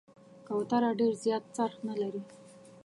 کوتره ډېر زیات خرڅ نه لري.